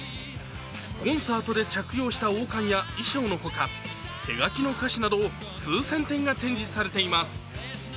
コンサートで着用した王冠や衣装のほか手書きの歌詞など、数千点が展示されています。